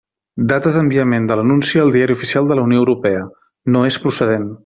Data d'enviament de l'anunci al Diari Oficial de la Unió Europea: no és procedent.